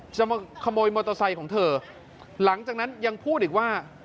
จะมาขโมยมอเตอร์ไซค์ของเธอหลังจากนั้นยังพูดอีกว่า